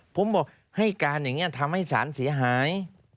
ผมบอกให้การอย่างนี้ทำให้สารเสียหาย